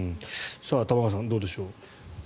玉川さん、どうでしょう。